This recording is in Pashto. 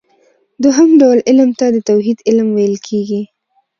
دوهم ډول علم ته د توحيد علم ويل کېږي .